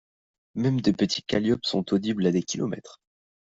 Même des petits calliopes sont audibles à des kilomètres.